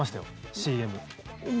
ＣＭ。